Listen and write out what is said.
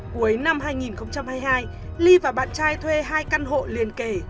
cuối năm hai nghìn hai mươi hai ly và bạn trai thuê hai căn hộ liền kể